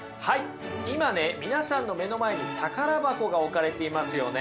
今ね皆さんの目の前に宝箱が置かれていますよね。